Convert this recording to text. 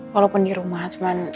walaupun di rumah cuman